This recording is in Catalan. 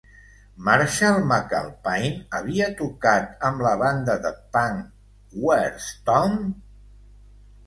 Marshall McAlpine havia tocat amb la banda de punk Where's Tom?